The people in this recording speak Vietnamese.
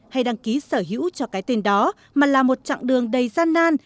hay đăng ký sở hữu cho cái tên đó mà là một chặng đường đầy gian nan